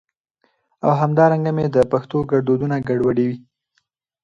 او همدا رنګه مي د پښتو ګړدودونه ګډوډي